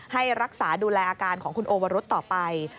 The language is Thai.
ให้รักษาดูแลอาการของคุณโอวรุษต่อไป